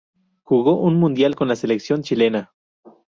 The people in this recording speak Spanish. Jugó un mundial con la selección chilena.